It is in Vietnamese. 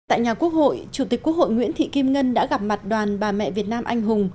tại nhà quốc hội chủ tịch quốc hội nguyễn thị kim ngân đã gặp mặt đoàn bà mẹ việt nam anh hùng